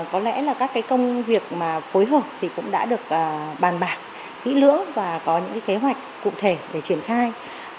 có lẽ là các công việc mà phối hợp thì cũng đã được bàn bạc kỹ lưỡng và có những kế hoạch cụ thể để triển khai